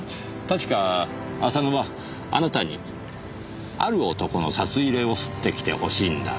確か浅野はあなたに「ある男の札入れを掏ってきてほしいんだ」